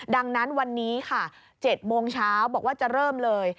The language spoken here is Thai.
ดังนั้นวันนี้ค่ะ๗โมงเช้าบอกว่าจะเริ่มเลย